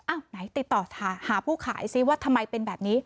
ไหนติดต่อหาผู้ขายซิว่าทำไมเป็นแบบนี้